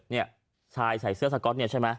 เนี่ยชายใส่เสื้อสก๊อตเนี่ยใช่ไหม